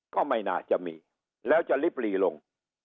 ก็ไม่น่าจะมีแล้วจะลิบลีลง